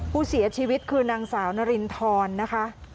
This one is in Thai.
ผู้เสียชีวิตคือนางสาวนารินทรนะคะ